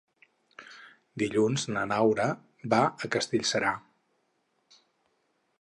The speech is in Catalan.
Dilluns na Laura va a Castellserà.